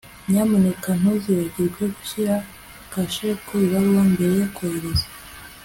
nyamuneka ntuzibagirwe gushyira kashe ku ibaruwa mbere yo kohereza